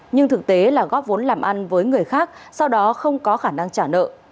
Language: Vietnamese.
nhưng thực tế là góp vốn làm ăn với người khác sau đó không có khả năng trả nợ